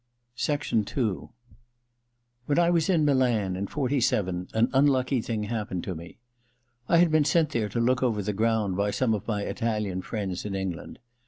II (colonel alingdon's story) When I was in Milan in 'forty seven an un lucky thing happened to me. I had been sent there to look over the ground by some of my Italian friends in England.